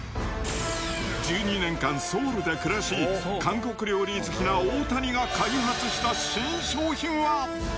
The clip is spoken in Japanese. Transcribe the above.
１２年間ソウルで暮らし、韓国料理好きな大谷が開発した新商品は。